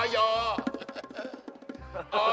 อ๋อยอร์